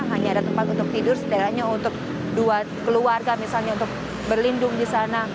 hanya ada tempat untuk tidur setidaknya untuk dua keluarga misalnya untuk berlindung di sana